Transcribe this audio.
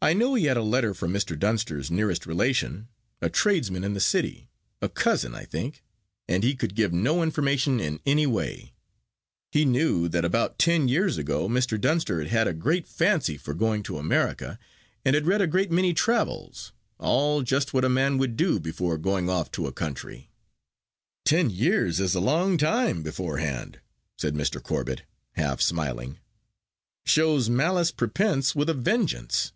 I know he had a letter from Mr. Dunster's nearest relation a tradesman in the City a cousin, I think, and he could give no information in any way. He knew that about ten years ago Mr. Dunster had had a great fancy for going to America, and had read a great many travels all just what a man would do before going off to a country." "Ten years is a long time beforehand," said Mr. Corbet, half smiling; "shows malice prepense with a vengeance."